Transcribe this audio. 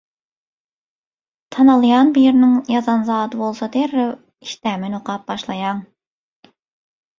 Tanalýan biriniň ýazan zady bolsa derrew, işdämen okap başlaýaň.